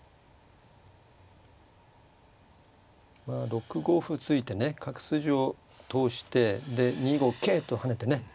６五歩突いてね角筋を通してで２五桂と跳ねてね